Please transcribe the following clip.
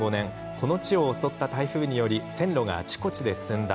この地を襲った台風により線路があちこちで寸断。